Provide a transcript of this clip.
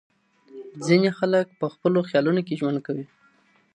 ځينې خلګ په خپلو خيالونو کي ژوند کوي.